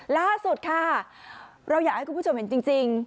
ล่าสุดค่ะเราอยากให้คุณผู้ชมเห็นจริง